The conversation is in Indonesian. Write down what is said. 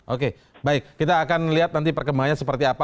oke baik kita akan lihat nanti perkembangannya seperti apa